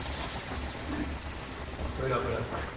これがブラック。